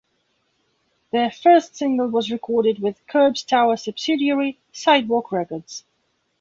Their first single was recorded with Curb's Tower subsidiary, Sidewalk Records.